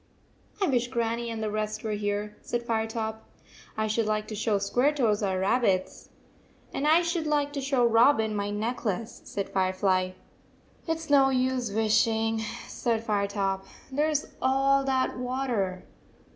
" I wish Grannie and the rest were here," said Firetop. " I should like to show Square toes our rabbits." " And I should like to show Robin my necklace," said Firefly. "It s no use wishing," said Firetop. " There s all that water."